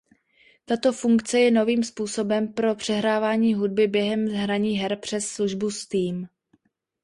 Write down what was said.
Tato funkce je novým způsobem pro přehrávání hudby během hraní her přes službu Steam.